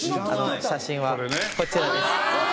写真はこちらです。